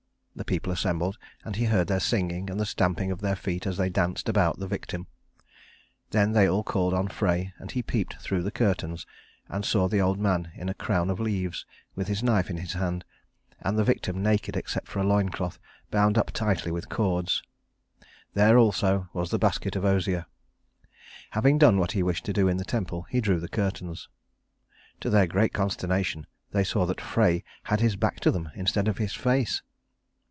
The people assembled, and he heard their singing, and the stamping of their feet as they danced about the victim. Then they all called on Frey, and he peeped through the curtains and saw the old man in a crown of leaves, with his knife in his hand, and the victim naked except for a loin cloth, bound up tightly with cords. There also was the basket of osier. Having done what he wished to do in the temple, he drew the curtains. To their great consternation they saw that Frey had his back to them instead of his face.